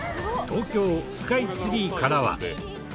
東京スカイツリーからは。